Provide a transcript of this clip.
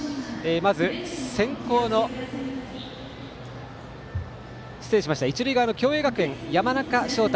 まず一塁側の共栄学園山中翔太